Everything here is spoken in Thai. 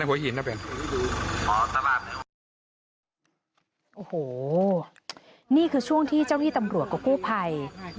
โอ้โหนี่คือช่วงที่เจ้าที่ตำรวจกับกู้ภัย